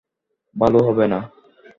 ভালো হবে না।